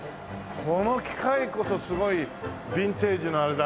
この機械こそすごいビンテージのあれだね。